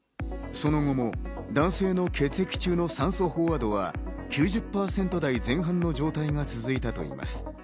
その後も男性の血液中の酸素飽和度は９０％台前半の状態が続いたといいます。